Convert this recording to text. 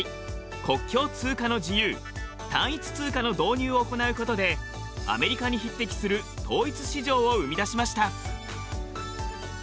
国境通過の自由単一通貨の導入を行うことでアメリカに匹敵する統一市場を生み出しました。